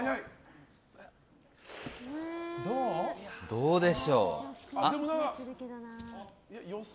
どうでしょう。